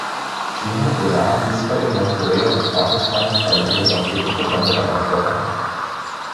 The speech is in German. China, Iran, Israel, Nordkorea und Pakistan treiben ihre Raketenprogramme weiter voran.